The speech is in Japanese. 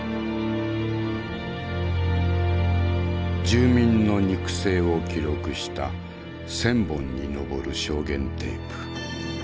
住民の肉声を記録した１，０００本に上る証言テープ。